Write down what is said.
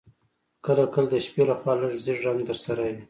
که کله د شپې لخوا لږ ژیړ رنګ درسره وي